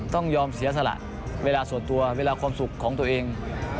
ต้องยอมเสียสละเวลาส่วนตัวเวลาความสุขของตัวเอง